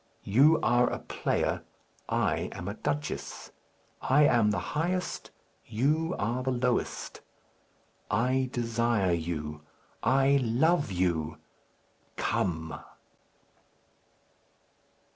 You are a player; I am a duchess. I am the highest; you are the lowest. I desire you! I love you! Come!"